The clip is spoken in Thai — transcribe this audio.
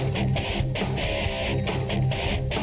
ฟ้ายเตอร์